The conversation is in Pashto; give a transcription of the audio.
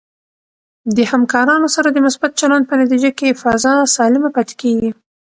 د همکارانو سره د مثبت چلند په نتیجه کې فضا سالمه پاتې کېږي.